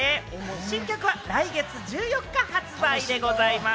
新曲は来月１４日発売でございます。